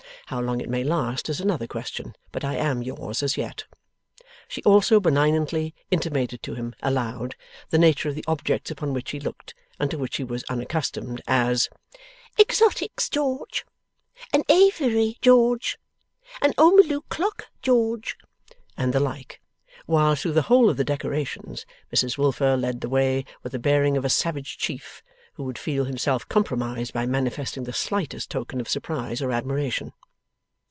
How long it may last is another question, but I am yours as yet.' She also benignantly intimated to him, aloud, the nature of the objects upon which he looked, and to which he was unaccustomed: as, 'Exotics, George,' 'An aviary, George,' 'An ormolu clock, George,' and the like. While, through the whole of the decorations, Mrs Wilfer led the way with the bearing of a Savage Chief, who would feel himself compromised by manifesting the slightest token of surprise or admiration.